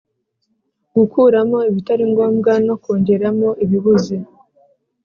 Gukuramo ibitari ngombwa no kongeramo ibibuze.